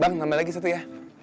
bang nambah lagi satu ya